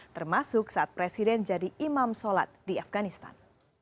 termasuk saat presiden jadi imam sholat di afganistan